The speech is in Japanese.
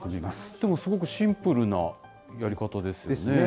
でもすごくシンプルなやり方ですよね。ですね。